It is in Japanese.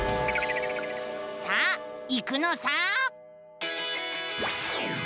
さあ行くのさ！